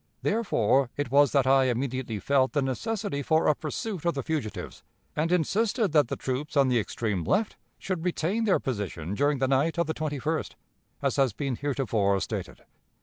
Therefore it was that I immediately felt the necessity for a pursuit of the fugitives, and insisted that the troops on the extreme left should retain their position during the night of the 21st, as has been heretofore stated.